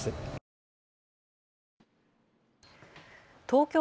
東京